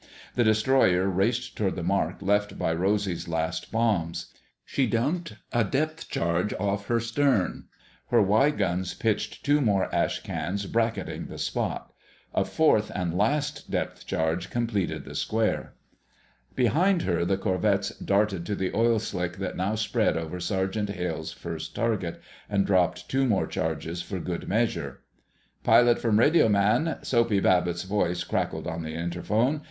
The destroyer raced toward the mark left by Rosy's last bombs. She dumped a depth charge off her stem. Her Y guns pitched two more "ash cans," bracketing the spot. A fourth and last depth charge completed the square. Behind her, the corvettes darted to the oil slick that now spread over Sergeant Hale's first target, and dropped two more charges for good measure. "Pilot from radioman," Soapy Babbitt's voice crackled on the interphone.